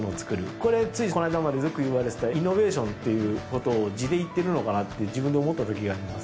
これついこの間までよく言われてたイノベーションっていうことを地でいってるのかなって自分で思ったときがあります。